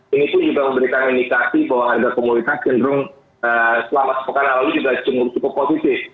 ini pun juga memberikan indikasi bahwa harga komunitas cenderung selama sepekan lalu juga cukup positif